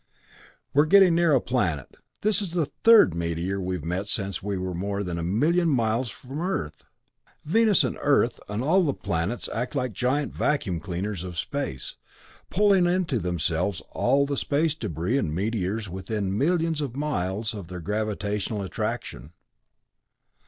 "We're getting near a planet. This is the third meteor we've met since we were more than a million miles from Earth. Venus and Earth and all the planets act like giant vacuum cleaners of space, pulling into themselves all the space debris and meteors within millions of miles by their gravitational attraction."